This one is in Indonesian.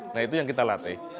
nah itu yang kita latih